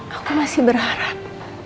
aku masih berharap